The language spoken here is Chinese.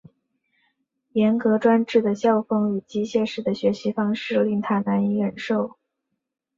严格专制的校风与机械式的学习方式令他难以忍受。